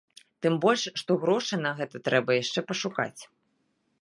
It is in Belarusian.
Тым больш, што грошы на гэта трэба яшчэ пашукаць.